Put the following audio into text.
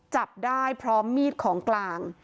จับได้พร้อมมีดของกลาง